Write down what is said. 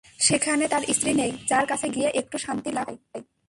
সেখানে তাঁর স্ত্রী নেই, যার কাছে গিয়ে একটু শান্তি লাভ করা যায়।